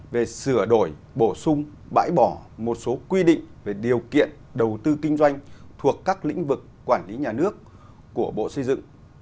về sửa đổi bổ sung bãi bỏ một số quy định về điều kiện đầu tư kinh doanh thuộc các lĩnh vực quản lý nhà nước của bộ xây dựng